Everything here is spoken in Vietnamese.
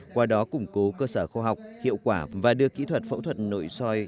qua đó củng cố cơ sở khoa học hiệu quả và đưa kỹ thuật phẫu thuật nội soi